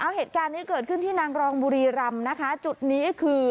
เอาเหตุการณ์นี้เกิดขึ้นที่นางรองบุรีรำนะคะจุดนี้คือ